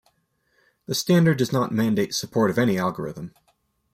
The standard does not mandate support of any algorithm.